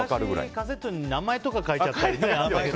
昔、カセットに名前とか書いちゃったりね。